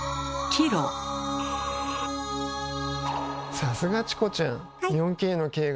さすがチコちゃん！